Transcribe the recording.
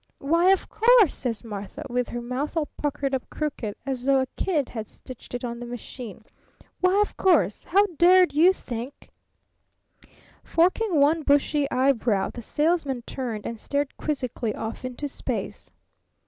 'Why, of course,' says Martha, with her mouth all puckered up crooked, as though a kid had stitched it on the machine. 'Why, of course! How dared you think '" Forking one bushy eyebrow, the Salesman turned and stared quizzically off into space.